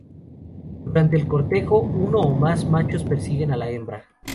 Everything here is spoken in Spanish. Durante el cortejo, uno o más machos persiguen a la hembra.